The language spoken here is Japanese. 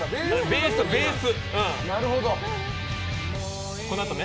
ベース、ベース。